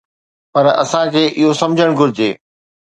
پر اسان کي اهو سمجهڻ گهرجي